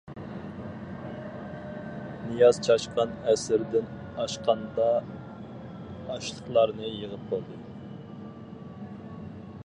نىياز چاشقان ئەسىردىن ئاشقاندا ئاشلىقلارنى يىغىپ بولدى.